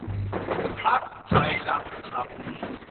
พรรคไทรักธรรม